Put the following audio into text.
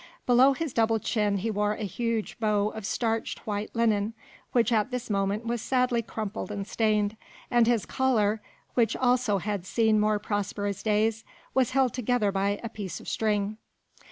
Below his double chin he wore a huge bow of starched white linen, which at this moment was sadly crumpled and stained, and his collar which also had seen more prosperous days was held together by a piece of string.